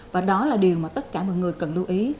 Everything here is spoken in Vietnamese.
và đó là điều mà tất cả mọi người cần lưu ý